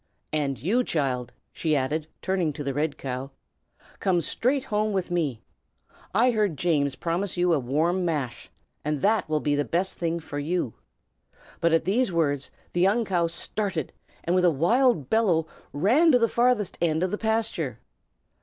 And you, child," she added, turning to the red cow, "come straight home with me. I heard James promise you a warm mash, and that will be the best thing for you." But at these words the young cow started, and with a wild bellow ran to the farthest end of the pasture.